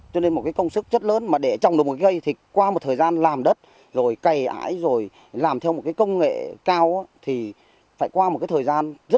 cho nên một cái công sức rất lớn mà để trồng được một cái cây thì qua một thời gian làm đất rồi cày ải rồi làm theo một cái công nghệ cao thì phải qua một cái thời gian rất là tốn khém